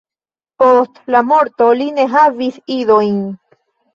Post la morto li ne havis idojn.